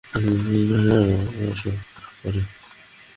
যদি কেউ আমাদের মাল স্পর্শ করে।